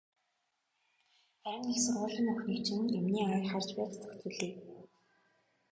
Харин их сургуулийн охиныг чинь юмны ая харж байж зохицуулъя.